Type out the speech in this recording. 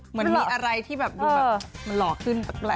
เหมือนมีอะไรที่แบบดูแบบมันหล่อขึ้นแปลก